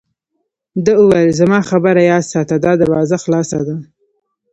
ده وویل: زما خبره یاد ساته، دا دروازه خلاصه ده.